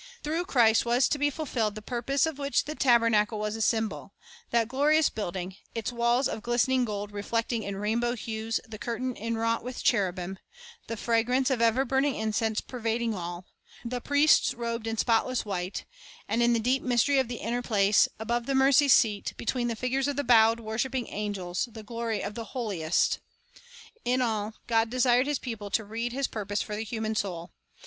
Through Christ was to be fulfilled the purpose of which the tabernacle was a symbol, — that glorious building, its walls of glistening gold reflecting in rain bow hues the curtains inwrought with cherubim, the fragrance of ever burning incense pervading all, the priests robed in spotless white, and in the deep mystery of the inner place, above the mercy seat, between the figures of the bowed, worshiping angels, the glory of the Holiest. In all, God desired His people to read His purpose for the human soul.